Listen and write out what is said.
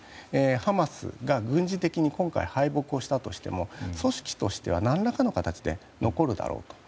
ハマスが軍事的に今回、敗北したとしても組織としては、何らかの形で残るだろうと。